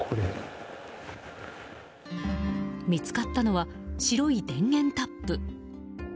見つかったのは白い電源タップ。